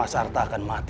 aku pasti makin kacau